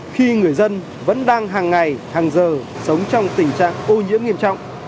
khi người dân vẫn đang hàng ngày hàng giờ sống trong tình trạng ô nhiễm nghiêm trọng